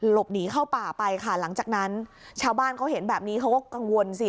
หลบหนีเข้าป่าไปค่ะหลังจากนั้นชาวบ้านเขาเห็นแบบนี้เขาก็กังวลสิ